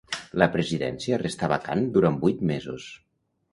La presidència restà vacant durant vuit mesos.